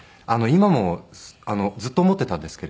今もずっと思っていたんですけれど。